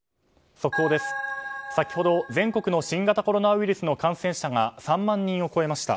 先ほど、全国の新型コロナウイルスの感染者が３万人を超えました。